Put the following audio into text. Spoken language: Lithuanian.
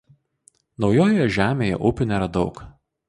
Naujojoje žemėje upių nėra daug.